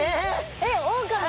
えっオオカミ？